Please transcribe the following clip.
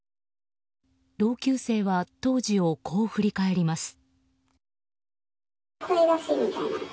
同級生は当時をこう振り返ります。